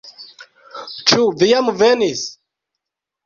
Ĉu vi jam venis?